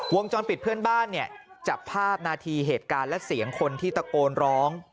วงจรปิดเพื่อนบ้านเนี่ยจับภาพนาทีเหตุการณ์และเสียงคนที่ตะโกนร้อง